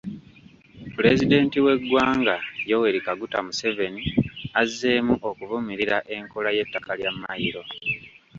Pulezidenti w’eggwanga, Yoweri Kaguta Museveni azzeemu okuvumirira enkola y’ettaka lya mayiro.